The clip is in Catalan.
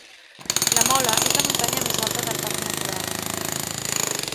La Mola és la muntanya més alta del Parc Natural.